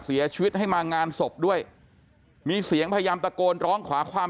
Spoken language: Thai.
เสียชีวิตให้มางานศพด้วยมีเสียงพยายามตะโกนร้องขอความ